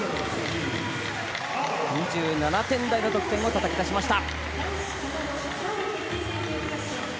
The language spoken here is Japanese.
２７点台の得点をたたき出しました。